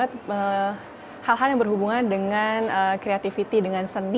dan aku juga suka banget hal hal yang berhubungan dengan kreativiti dengan seni